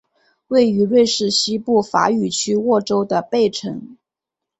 位于瑞士西部法语区沃州的贝城。